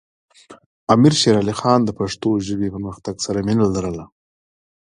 امیر شیر علی خان د پښتو ژبې پرمختګ سره مینه لرله.